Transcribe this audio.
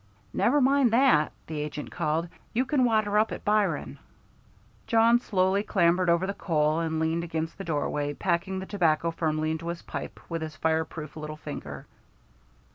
"Never mind that," the agent called. "You can water up at Byron." Jawn slowly clambered over the coal and leaned against the doorway, packing the tobacco firmly into his pipe with his fire proof little finger.